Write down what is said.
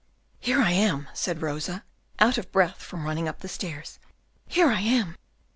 "Here I am," said Rosa, out of breath from running up the stairs, "here I am."